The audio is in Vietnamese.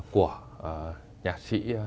của nhạc sĩ